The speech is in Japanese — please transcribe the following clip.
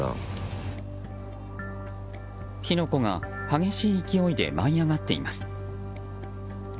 火の粉が激しい勢いで舞い上がっています。